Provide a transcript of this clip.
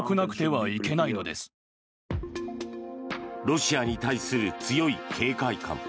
ロシアに対する強い警戒感。